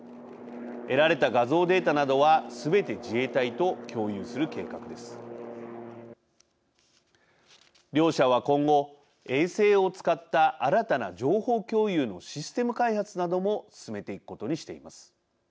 得られた画像データなどはすべて自衛隊と共有する計画です。両者は今後衛星を使った新たな情報共有のシステム開発なども進めていくことにしています。